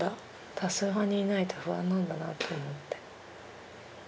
多数派にいないと不安なんだなって思って。